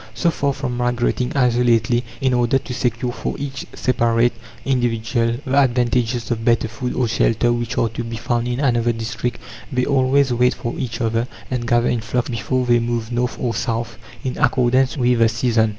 So far from migrating isolately, in order to secure for each separate individual the advantages of better food or shelter which are to be found in another district they always wait for each other, and gather in flocks, before they move north or south, in accordance with the season.